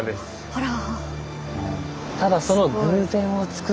あら。